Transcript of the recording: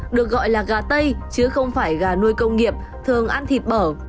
được gọi là gà tây chứ không phải gà nuôi công nghiệp thường ăn thịt bở